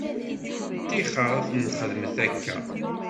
Ṭixer ad t-nxedmet akka.